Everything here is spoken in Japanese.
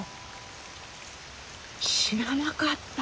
知らなかった。